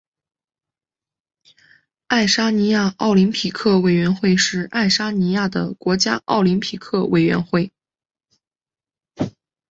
爱沙尼亚奥林匹克委员会是爱沙尼亚的国家奥林匹克委员会。